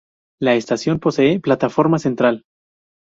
La estación posee plataforma central.